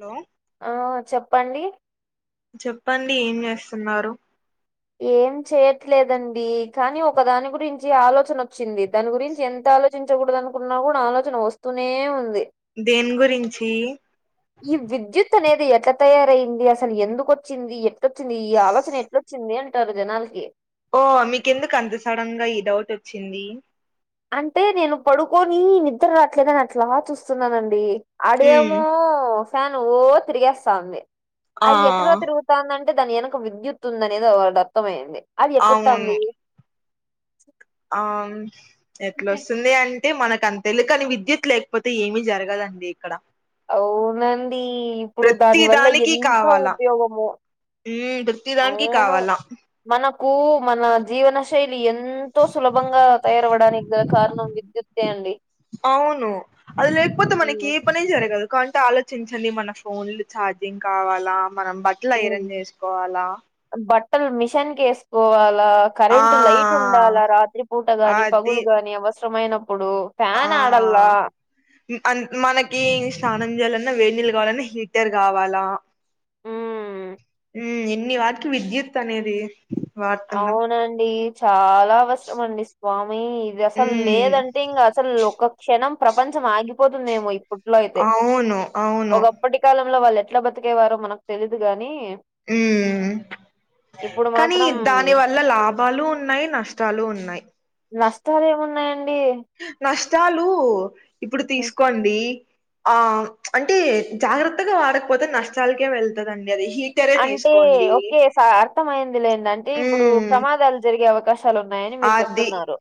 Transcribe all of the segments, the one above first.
లో ఆ చెప్పండి‌. చెప్పండి ఏం జెష్నారూ ఏం చేయట్లేదండీ కానీ ఒక దాని గురించి ఆలోచన ఒచ్చింది దాని గురించి ఎంత ఆలో చించగూడ్దు అనుకున్నా గూడా ఆలోచన ఒస్తూనే ఉంది. దేన్ గురించీ ఈ విద్యుత్త్ అనేది ఎట్లా తయారయింది అసలు ఎందుకొచ్చింది, ఎట్టోచ్చింది, ఈ ఆలోచన ఎట్ల. చింది అంటారు జనాల్కి ఓ మీకెందుకు అంత సడన్గా ఈ డౌట్ ఒచ్చింది. అంటే నేను పడుకోనీ నిద్దర్ రాట్లేదని అట్లా చూస్తున్నానండి. ఉమ్ అడేమొ ఫ్యాను ఓ తిరిగేస్సాఉంది. ఆ అది ఎట్టరా తిరుగు తాందంటే దాని ఎనక విద్యుత్ ఉందనేది ఒవడి అర్థమయింది, అది ఎటొ అత్తంది ఆమ్ ఎట్లొస్సుంది అంటే మనకన్ తెలుకని విద్యుత్ లేక్పోతే ఏమీ జరగదండి ఇక్కడ. ఔ నండీ‌. ఇప్పుడు ప్రతి దాని వల్ల దానికి ఎంత్త కావాలా ఉపయోగమో ఉమ్ ప్రతి దానికి కావాలా మనకూ మన జీవన శైలి ఏం తో సులభంగా తయారవడానికి గా కారణం విద్యుత్ తే అండి అవునూ అది లేక్పోతే మనకీ ఉమ్ పనే జరగదు కాంటే ఆలోచించండి మన ఫోన్లు ఛార్జింగ్ కావాలా మనం బ ఎట్లా ఐరన్ జేస్కోవాలా బట్టల్ మిషన్కి ఏస్కోవాలా ఆ కరెంటు లైట్ ఉండాలా రాత్రి పూట గాని అది పగులు గాని అవస్రమైనప్పుడు. ఆ ఉ అన్ మనకీ ష్నానం జేయాలన్నా వెన్నిల్లు గవలన్నా హీటర్ గావాలా ఉమ్ ఉ ఎన్ని వాట్కి విద్యుత్ అనేది వాడుతున్నాం అవునండీ చాలా అవస్రం అండి స్వామీ ఇది అసల్ ఉమ్ లేదన్. థింగ్ అసల్ ఒక్క క్షణం ప్రపంచం ఆగిపోతుందేమో ఇప్పుట్లో అయితే అవును అవును ఒగ ప్పటి కాలంలో వాళ్ళు ఎట్లా బతికేవారో మనక్ తెలీదు గానీ ఊమ్ కానీ మాత్రం దానివల్ వల లాభాలు ఉన్నాయి నష్టాలు ఉన్నాయి నష్టాలు ఏమున్నాయండి. నష్టాలూ ఇప్పుడు హ్మ్. తీస్కోండి. ఆ అంటే జాగ్రత్తగా వాడక్పోతే నష్టాల్కే వెళ్తదండి అది హి అంటే ఓకే సా అర్థమయింది లేండి అంటే ఇప్పుడు ఉమ్ ప్రమాదాలు జర్గే అవకాశం కల్ ఉన్నాయని మీరు అది చెప్తున్నారు.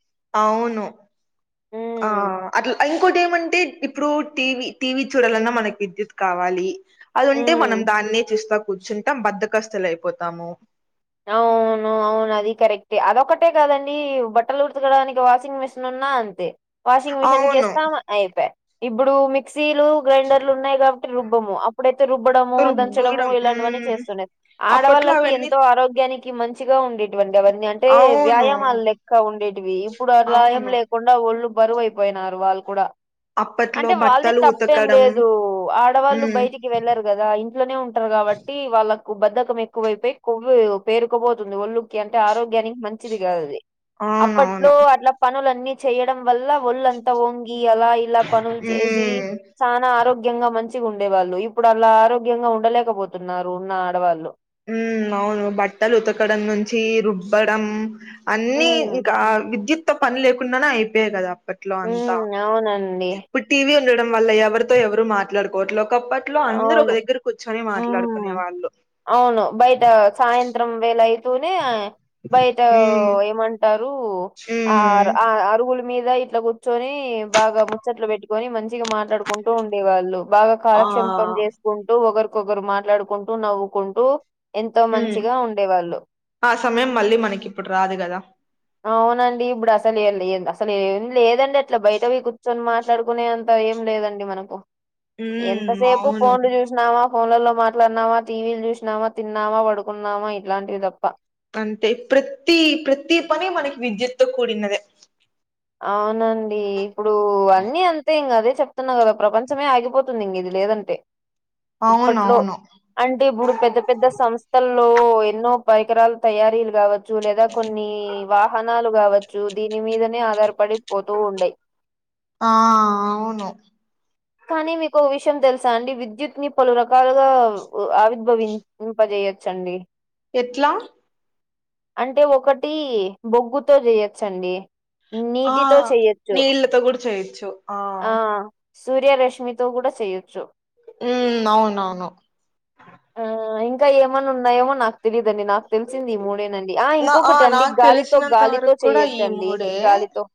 అట్ల ఇంకోటి ఏమంటే ఇప్పుడు టీవి టీవీ చూడాలన్నా మనకి విద్యుత్ కావాలి. అదుంటే హ్మ్. మనం దాన్నే చూస్తా కూర్చుంటాం బద్దకస్తులైపోతాము. అవును అవు అవును అది కరెక్టే అదొ ఒకటే కాదండి బట్టలు ఉతకడానికి వాషింగ్ మిషిన్ ఉన్నా అంతే వాషింగ్ మిషిన్ అవును కేస్తాం అయిపాయ ఇప్పుడు మిక్సీలు గ్రైండర్లు ఉన్నయి కాబట్టి రుబ్బము అప్పుడైతే రుబ్బడము దంచడం రుబ్బుడం ఇలాంటివన్నీ మ్మ్ చేస్తుండే అప్పట్లో ఆడవాళ్ళకి అవన్నీ ఎంతో ఆరోగ్యానికి మంచిగా ఉండేటివండి అవన్నీ అంటే అవును వ్యాయామాల లెక్క ఉండేటివి ఇప్పుడు అలా ఏం అవును లేకుండ కుండా ఒళ్ళు బరువైపోయినారు వాళ్ళు కూడా అప్పట్లో అంటే వాల్ ది బట్టలు తప్పేం ఉతకడం లేదు ఆడవాళ్ళు మ్మ్ బయటికి వెళ్లరు గదా ఇంట్లోనే ఉంటరు, కాబట్టి వాళ్ళకు బద్ధకం ఎక్కువైపోయి కొవ్వు వే పేరుకపోతుంది ఒలుక్కి అంటే ఆరోగ్యానికి మంచిది గాదు అది అవునవును అప్పట్లో అట్లా పనులన్నీ చేయడం వల్ల ఒళ్ళంతా ఒంగి అలా ఇలా పనులు జేసి మ్మ్ చానా ఆరోగ్యంగా మంచిగుండే వాళ్ళు ఇప్పుడు అలా ఆరోగ్యంగా ఉండలేకబోతున్నారు ఉన్న ఆడవాళ్ళు ఊ అవును బట్టలు ఉతకడం నుంచి రుబ్బడం అన్ని హ్మ్. ఇంకా విద్యుత్ తో పని లేకుండానే అయిపోయేది కదా అప్పట్లో అంతా హ్మ్. అవునండి. ఇప్పుడు టీవీ ఉండడం వల్ల ఎవరితో ఎవరు మాట్లాడుకోట్లో ఒకప్పట్ ఇట్లో అందరు ఒక అవును. దగ్గర కూర్చొని హ్మ్. మాట్లాడుకునే వాళ్ళు అవును బయట సాయంత్రం వేల అయితూనే బయట ఉమ్ ఏమన్ టరు ఆర ఉమ్ ఆ అరుగులు మీద ఇట్ల కూర్చొనీ బాగా ముచ్చట్లు బెట్టుకొని మంచిగా మా టాడుకుంటూ ఉండే వాళ్ళు బాగా ఆ కాలక్ష్యం కుంటూ ఒకరికొకరు మాట్లాడుకుంటూ నవ్వుకుంటూ ఎంతో ఉమ్ మంచిగా ఉండేవాళ్ళు. ఆ సమయం మళ్ళీ మనకి ఇప్పుడు రాదు గదా అవునండి. ఇప్పుడు అసల్ ఏల్ ఎంద అసలు ఏం లేదండి అట్ల బయటపోయి కూర్చొని మాట్ మాట్లాడుకునేంత ఏం లేదండి మనకు ఉమ్ ఎంతసేపు అవును ఫోన్లు జూ తిన్నామా ఫోన్లలో మాట్లాడినామా టీవీలు జూశినామా తిన్నామా బడుకున్నామా ఇట్లాంటివి తప్ప! అంతే ప్రతి ప్రతి పని మనకి విద్యుత్తో కూడినదే! అవునండి. ఇప్పుడు అన్నీ అంతే ఇంగ అదే చెప్ తున్నా గదా ప్రపంచమే ఆగిపోతుంది ఇంగ ఇది లేదంటే ఇప్పట్లో అవునవును అంటే ఇబుడు పెద్ద పెద్ద సంస్థల్లో ఎన్నో పరికరాలు తయారీలు గావచ్చు లేదా కొన్ని వాహనాలు గావచ్చు దీని మీదనే ఆధారపడి పోతూ ఉండయి. ఆ అవును. కానీ మీకు ఓ విషయం తెలుసా అండి విద్యుత్ ని పలు రకాలుగా ఆవిర్భవిం ఇంప జేయొచ్చండి. ఎట్లా? అంటే ఒకటీ బొగ్గుతో జెయ్యొచ్చండి. ఆ నీళ్ళతో కూడ్ జెయ్యొచ్చు. ఆ సూర్యరేష్మితో గూడ చెయ్యొచ్చు. ఊ అవును అవును. ఆ ఇంకా ఏమన్నా ఉన్నాయేమో నాకు తెలీదండి నాకు తెలిసింది ఈ మూడే నండి ఆ నా ఇంకొకటండి నాకు గాలితో తెలిసినంత గాలితో వరకు కూడా ఈ చేయచ్చండి. మూడే గాలితో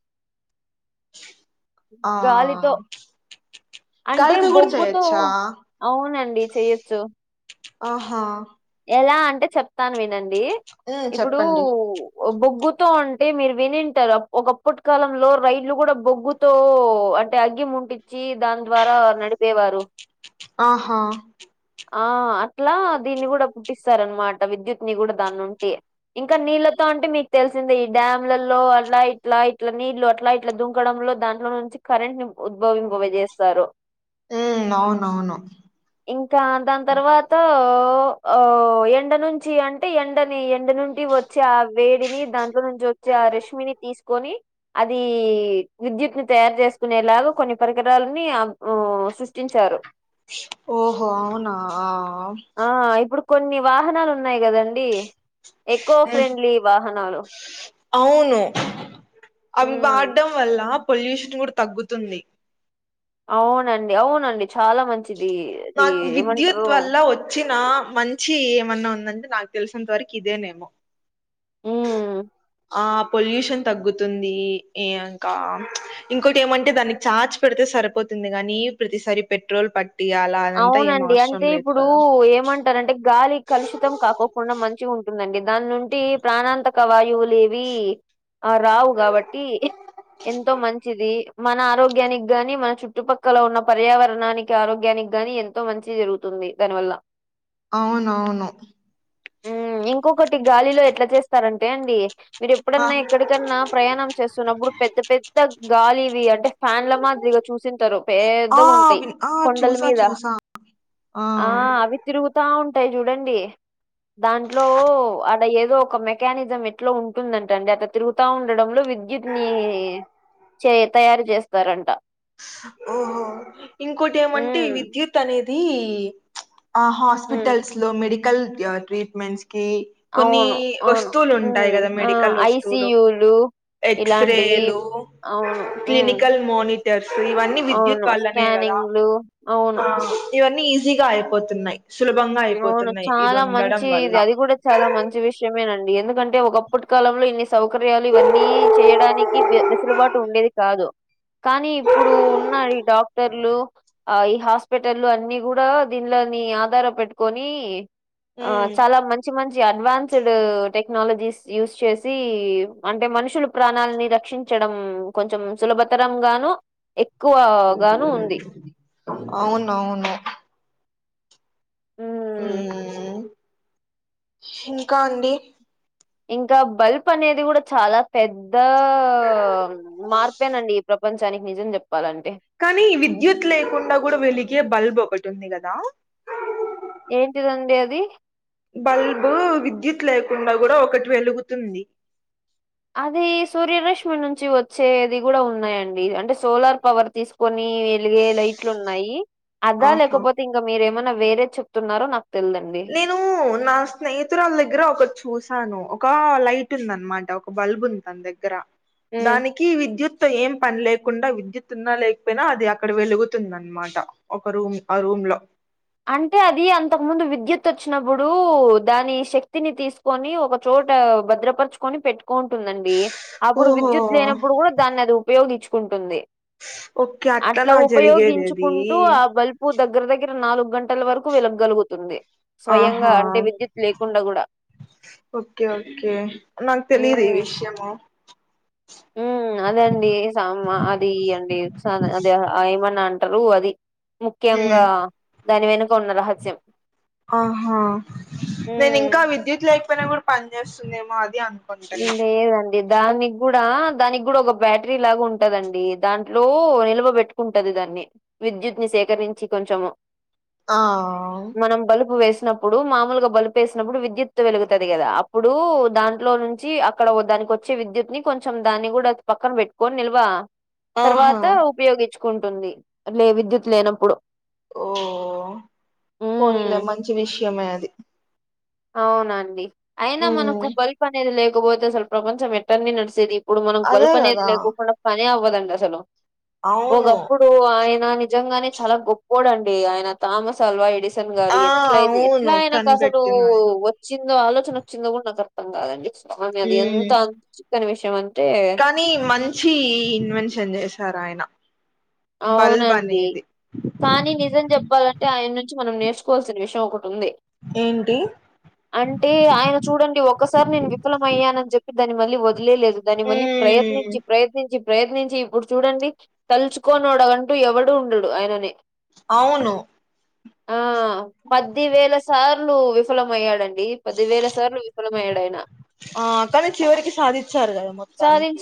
ఆ గాలితో అంటే గాలితో కూడా బొగ్గుతో చేయొచ్చా అవునండి చెయ్యొచ్చు ఆహా. ఎలా అంటే చెప్తాన్ వినండి ఉమ్ ఇప్పుడు. చెప్పండి బొగ్గుతో అంటే మీరు వినింటారు ఒకప్పటి కాలంలో రైళ్ళు గూడా బొగ్గు. తో అంటే అగ్గి ముట్టిచ్చి దాని ద్వారా నడిపేవారు. ఆహా. ఆ అట్లా దీన్ని గూడా పుట్టిస్తార అనమాట విద్యుత్ ని గూడా దాన్నుండి. ఇంకా నీళ్లతో అంటే మీకు తెలిసిందే ఈ డ్యాంలలో అలా ఇట్లా ఇట్లా నీళ్లు అట్లా. ఇట్లా దుంకడంలో దాంట్లో నుంచి కరెంట్ ని ఉద్భవింప చేేస్తారు. ఉ అవునవును. కా దాన్ తర్వాత ఆ ఎండ నుంచి అంటే ఎండని ఎండ నుండి ఒ. చ ఆ వేడిని దాంట్లో నుంచి వచ్చే ఆ రెష్మిని తీసుకొని. అది విద్యుత్ ని తయారు చేసుకునేలాగా కొన్ని పరికరాలని అ ఊ సృష్టించారు. ఓహో అవునా ఆ. ఆ ఇప్పుడు కొన్ని వాహనాలు ఉన్నాయి గదండి. ఎకో ఉమ్ ఫ్రెండ్లీ వాహనాలు. అవును అవి హ్మ్ వాడ్డం వల్ల పొల్యూషన్ కూడా తగ్గుతుంది. అవునండి అవునండి చాలా మంచిది ది ఏమంటరు. చ్చిన మంచి ఏమన్నా ఉందంటే నాకు తెలిసినంత వరకి ఇదేనేమో. ఊ. ఆ పొల్యూషన్ తగ్గుతుంది ఎ ఇంకా. ఇంకోటి ఏమంటే దానికి ఛార్జ్ పెడితే సరిపోతుంది గాని ప్రతిసారి పెట్రోల్ పట్టియాల్. అవునండి అంటే ఇప్పుడు ఏమంటారంటే గాలి కలుషితం కాకో. కుండా మంచిగా ఉంటుందండి దాని నుండి ప్రాణాంతక వాయువులేవి ఆ రావు గాబట్టి ఎంతో మంచిది. మన ఆరోగ్యానికి గాని మన చుట్టుపక్కల ఉన్న పర్యావరణానికి ఆరోగ్యానిక్. గాని ఎంతో మంచి జరుగుతుంది దాని వల్ల. అవునవును. ఊ ఇంకొకటి గాలిలో ఎట్లా చేస్తారంటే అండి. మీరు ఎప్పుడన్నా ఎక్కడికన్నా ప్రయాణం చేస్తున్నప్పుడు పెద్ద పెద్ద గాలి ఇవి అంటే. ఫ్యాన్ ల మాద్దిరిగా చూసింటారు ఆ! పేద్దగా ఉంటాయి. విన్ ఆ చుస్. ఆ అవి తిరుగుతా ఉంటాయి చూడండి. దాంట్లో అడ ఏదో ఒక మెకానిజం ఎట్లో ఉంటుందంట అండి అదొ. తిరుగుతా ఉండడంలో విద్యుత్ ని చే తయారు చేస్తారంట. ఓహో. ఇంకోటి ఏమంటే ఈ హ్మ్. విద్యుత్ అనేదీ ఆ హ్మ్. హాస్పిటల్స్ లో మెడి. కల్ ట్రీట్మెట్స్ కి. కొన్ని అవును. అవును. వస్తువులు ఉంటాయి హ్మ్. గదా ఆ! మెడికల్ వస్తువులు. ఐసీయూలు ఇలాంటివి ఎక్స్రేలు. అవును. హ్మ్. క్లినికల్ మోనిటర్స్ ఇవన్నీ విద్యుత్ వల్లనే గదా. అవు. ఆ! ఇవన్నీ ఈజీగా అయిపోతున్నాయి సులభంగా అవును. అయిపోతున్నాయి ఇది చాలా ఉండడం మంచి వల్ల. ఇది. అది కూడా చాలా మంచి విషయమేనండి ఎందుకంటే ఒకప్పటి కాలంలో ఇన్ని సౌకర్యాలు ఇవన్నీ చేయడానిక్. ఈ వెసురు బాటు ఉండేది కాదు కానీ ఇప్పుడు ఉన్నా ఈ డాక్టర్లు. ఆ ఈ హాస్పిటల్లు అన్ని కూడా దీనిలోని ఆధారపేట్. కొని ఆ హ్మ్. చాలా మంచి మంచి జీ అడ్వాన్స్డ్ టెక్నాలజీస్ యూస్ చేసి అంటే మనుషులు ప్రాణాలని రక్షించడం కొంచెం సులభతరం గాను ఎక్కువ గాను ఉంది అవునవును హ్మ్. హ్మ్. ఇంకా అండి ఇంకా బల్ప్ అనేది గూడా చాలా పెద్ద మార్పేనండి ఈ ప్రపంచానికి నిజం చెప్పాలంటే కానీ విద్యుత్ లేకుండా గూడా వెలిగే బల్బ్ ఒకటి ఉంది గదా ఏంటిదండి అది బల్బు విద్యుత్ లేకుండా కూడా ఒకటి వెలుగుతుంది అది సూర్య రష్మి నుంచి వచ్చేది కూడా ఉన్నాయండి అంటే సోలార్ పవర్ తీసుకు కొన్ని వెలుగే లైట్లున్నాయి అదా ఆహా లేకపోతే ఇంకా మీరేమన్నా వేరేది చెప్తున్నారో నాకు తెల్దండి నేను నా స్నేహితురాళ్దగ్గర ఒకటి చూసాను ఒక లైట్ ఉంది అనమాట ఒక బల్బ్ ఉంది తన దగ్గర ఉమ్. దానికి కి విద్యుత్ ఏం పని లేకుండా విద్యుత్ ఉన్నా లేకపోయినా అది అక్కడ వెలుగుతుందనమాట ఒక రూమ్ ఆ రూమ్ లో అంటే అది అంతకు ముందు విద్యుత్ వచ్చినప్పుడు దాని శక్తిని తీసు కొని ఒక చోట భద్రపరచుకొని పెట్టుకొంటుందండి అబ్బుడు ఓహో విద్యుత్ లేనప్పుడు కూడా దాన్ని అది ఉపయోగిచ్చుకుంటుంది ఓకే అట్లా అట్లనా జరిగేది అది ఉపయోగించుకుంటూ ఆ బల్బ్ ఉప్పు దగ్గర దగ్గర నాలుగు గంటల వరకు వెలగగలుగుతుంది స్వయంగా ఆహా అంటే విద్యుత్ లేకుండా కూడా ఓకే ఓకే నాకు తెలిదు ఈ విషయము మ్మ్ అదే అండి సామా అది అండి అది ఏమన్నా అంటరు అది ముఖ్యంగా ఉమ్, దాని వెనుక ఉన్న రహస్యం ఆహా హ్మ్. నేనింకా విద్యుత్ లేకపోయినా కూడా పని చేస్తుందేమో అది అనుకున్ ఇంగేయలేం దానిగ్గూడ దానిగ్గూడా ఒక బ్యాటరీ లాగా ఉంటదండి దాంట్లో నిల్వబెట్ట కుంటది దాన్ని విద్యుత్ ని సేకరించి కొంచము ఆవ్ మనం బలుపు వేసినప్పుడు మాములుగా బలుపు వేసినప్పుడు విద్యుత్తు వెలుగుతది కదా అప్పుడు దాంట్లో నుంచి చి అక్కడ దానికి వచ్చే విద్యుత్ ని కొంచెం దాన్ని కూడా పక్కన పెట్టుకొని నిల్వా ఆహా తర్వాత ఉపయోగిచ్చుకుంటుంది లే విద్యుత్ లేనప్పుడు ఓ పోనీలే ఉమ్ మంచి విషయమే అది అవునండి అయినా ఉమ్ మనకు బల్ప్ అనేది లేకపోతే అసలు ప్రపంచం ఎట్లండి నడిసేది ఇప్పుడు మనం అదే బల్పు అనేది కదా లేకోకుండా పనే అవ్వదండి అసలు అవును ఒకప్పుడు సో ఆయన నిజంగానే చాలా గొప్పోడండి ఆయన తామస్ అల్వాఎడిసన్ ఎడిసన్ గారు ఆ ఎట్లయితే అవును ఎట్లా అయినకసలు కనిపెట్టినాడు వచ్చిందో ఆలోచన వచ్చిందో కూడా నాకు అర్థం కాదండి స్వామి అది ఎంత ఉమ్ అ ఆశ్యర్య విషమంటే కానీ మంచి ఇన్వెన్షన్ చేసారాయన అవునండి కానీ నిజం చెప్పాలంటే ఆయన్నుంచి మనం నేర్చుకోవాల్సిన విషం ఒకటుంది ఏంటి అంటే ఆయన చూడండి ఒక్కసారి నేను విఫలం అయ్యానని చెప్ప దాని మళ్ళీ వదిలేలేదు దాని మళ్ళీ ఉమ్ ప్రయత్నించి ప్రయత్నించి ప్రయత్నించి ఇప్పుడు చూడండి తలుచు కోనోడంటూ ఎవడు ఉండడు ఆయనని. అవును ఆ పది వేలసార్లు విఫలం అయ్యాడం డి పదివేల సార్లు విఫలమయ్యాడు ఆయన. ఆ కానీ చివరికి సాధిచ్చారు కదా మొత్తానికి.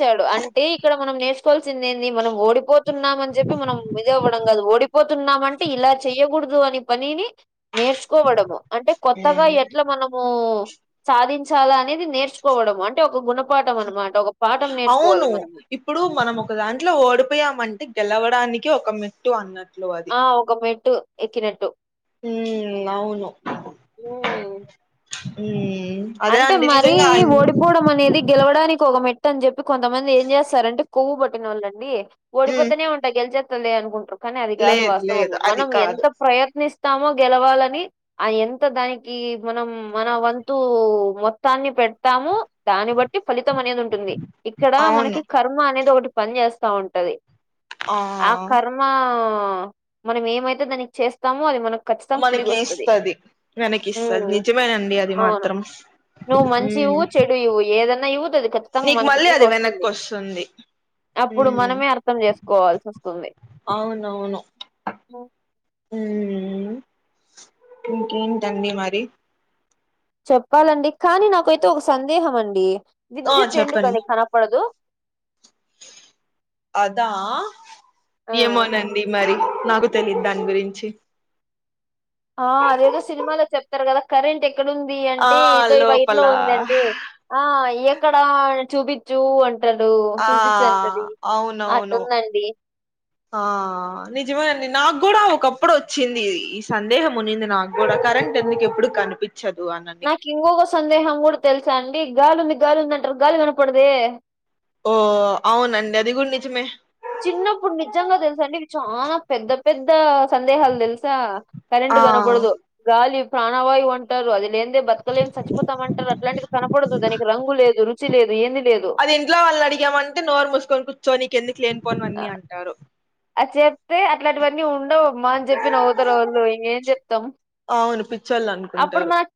ఎ ఇక్కడ మనం నేర్చుకోవాల్సింది ఏంది మనం ఓడిపో తున్నాము అని చెప్పి మనం ఇది ఇవ్వడం కాదు, ఓడిపోతున్నాము అంటే ఇలా చెయ్యకూడదు అని పనిని నేర్చుకోవడము అంటే కొత్తగా ఉమ్ ఎట్ల మనము సాధించాలా అనేది నేర్చుకోవడము అంటే ఒక గుణపాఠం అనమాట ఒక పాఠం నేర్చుకోవాలె అవును మనము. ఇప్పుడు మనం ఒక దాంట్లో ఓడిపోయామంటే గెలవడానికి ఒక మెట్టు అన్నట్లు అ ఆ ఒక మెట్టు ఎక్కినట్టు. హ్మ్ అవును హ్మ్. హ్మ్. అంటే మరీ ఓడి పోవడం అనేది గెలవడానికి ఒక మెట్టు అని చెప్పి కొంతమంది ఏం చేస్తారంటే కొవ్వు పట్టినోళ్ళు అండి ఉమ్ ఓడిపోతనే ఉంటా గెలిచేత్తదిలే అనుకుంట్రు కానీ అది కాదు లేదు వాస్తవము, లేదు అది మనం కాదు ఎంత ప్రయత్నిస్తామో గెలవాలని ఆ ఎంత దానికి మనం మన వంతు కు మొత్తాన్ని పెడతాము దాన్ని బట్టి ఫలితం అనేది ఉంటుంది, ఇక్కడ అవును మనకి కర్మా అనేది ఒకటి పనిచేస్తా ఉంటది ఆ కర్ మా మనం ఏమైతే దానికి చేస్ స్తామో అది మనకు ఖచ్చితంగా తిరిగి మనకి వస్తది ఇస్తది వెనక్కి ఇస్తది హ్మ్ నిజమేనండి అది అవును. మాత్రం నువ్వు మంచి ఉమ్ ఇవ్వు చెడు ఇవ్వు ఏదన్నా ఇవ్వు తది ఖ చ్చితంగా నీకు మనకి మళ్ళీ తిరిగి అది వెనక్కి వస్తుంది. వస్తుంది అప్పుడు ఉమ్ మనమే అర్థం చేసుకోవాల్సి వస్తుంది. అవునవును. హ్మ్ ఇంకేంటండి మరి. చెప్పాలండి కానీ నాకైతే ఒక సందేహం అండి. ఆ విద్యుత్ చెప్పండి ఎందుకనీ కనపడదు? అదా ఆ ఏమోనండి మరి నాకు తెలిదు దాని గురించి. ఆ అదేదో సినిమాలో చెప్తరు కదా కరెంట్ ఎక్కడుంది ఆ అంటే ఇదో ఈ వైర్లో లోపల ఉందంటే ఆ ఎక్కడా చూపిచ్చూ అం అంటడు ఆ చూపిచ్చంటది అవునవును అట్టుందండి. ఆ నిజమే అండి నాకు కూడా ఒకప్పుడు వచ్చింది ఈ సందేహం ఉనింది నాకు కూడా కరెంట్ ఎందుకు ఎప్పుడు కనిపిచ్చదు అనని. ఇంగోక సందేహం కూడా తెలుసా అండి గాలి ఉంది, గాలి ఉందంటరు గాలి కనపడదే. ఓ అవునండి అది కూడా నిజమే. చిన్నప్పుడు నిజంగా తెలుసా అండి చానా పెద్ద పెద్ద సందేహాలు తెలుసా. కరెంట్ ఆ కనబడదు, గాలి ప్రాణవాయువు అంటారు అది లేం దే బతకలేం సచ్చిపోతమంటరు అట్లాంటిది కనపడదు దానికి రంగు లేదు, రుచి లేదు, ఏమి లేదు. దే ఇంట్లో వాళ్ళనీ అడిగామంటే నోరు మూసుకొని కూర్చో నీకు ఎందుకు ఆ, లేనిపోనివన్ని అంటారు. అది చెప్తే అట్లాంటివన్ని ఉండవు మనం చెప్పి నవ్వుతరు వాళ్ళు ఇంగ ఎం చెప్తం, అవును పిచ్చోళ్ళు అనుకుంటారు అప్పుడు మనకు